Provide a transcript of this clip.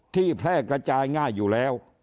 แพร่กระจายง่ายอยู่แล้ว